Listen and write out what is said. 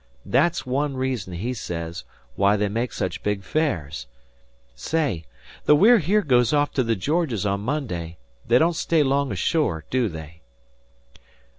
That's one reason, he says, why they make such big fares. Say, the We're Here goes off to the Georges on Monday. They don't stay long ashore, do they?"